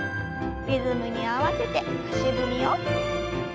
リズムに合わせて足踏みを。